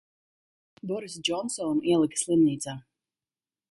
Borisu Džonsonu ielika slimnīcā.